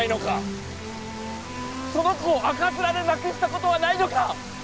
その子を赤面で亡くしたことはないのか！